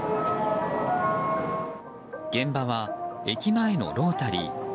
現場は駅前のロータリー。